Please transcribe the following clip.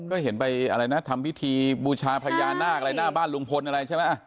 ก็เห็นไปอะไรนะทำพิธีบูชาพญานาคอะไรหน้าบ้านลุงพลอะไรใช่ไหม